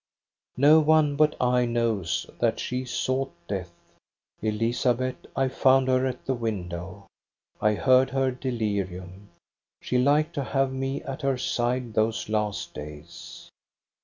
"No one but I knows that she sought death, EBB A DOHNA'S STORY 231 Elizabeth. I found her at the window. I heard her delirium. She liked to have me at her side those last days.